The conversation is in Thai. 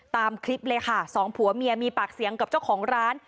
ตามคลิปเลยค่ะสองผัวเมียมีปากเสียงกับเจ้าของร้าน